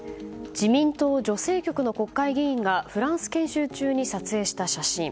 自民党女性局の国会議員がフランス研修中に撮影した写真。